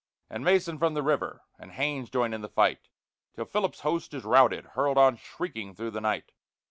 And Mason from the river, and Haynes join in the fight, Till Philip's host is routed, hurled on shrieking through the night.